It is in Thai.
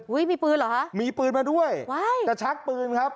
มีปืนเหรอฮะมีปืนมาด้วยว้ายจะชักปืนครับ